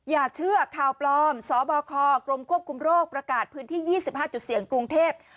อย่าเชื่อข่าวปลอมสบคกรมควบคุมโรคประกาศพื้นที่๒๕จุดเสี่ยงกรุงเทพ